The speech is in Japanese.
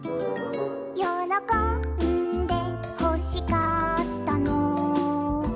「よろこんでほしかったの」